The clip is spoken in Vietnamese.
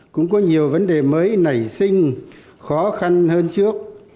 cũng có nhiều vấn đề mới nảy sinh khó khăn hơn trước